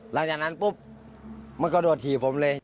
หลังจากนั้นปุ๊บมันกระโดดถี่ผมเลย